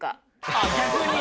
ああ逆に？